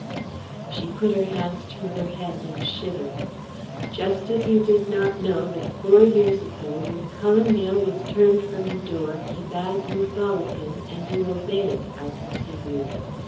She put her hands to her head and shivered. "Just as you did not know that four years ago when Cullen Mayle was turned from the door, he bade you follow him, and you obeyed," I continued.